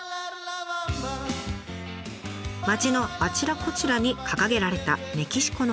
町のあちらこちらに掲げられたメキシコの旗。